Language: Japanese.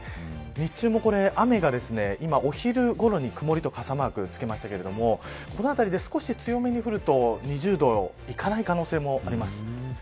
日中もこれ、雨が今、お昼ごろに曇と傘マークつけましたがこのあたりで少し強めに降ると２０度いかない可能性もあります。